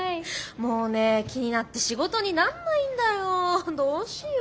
もうね気になって仕事になんないんだよどうしよ。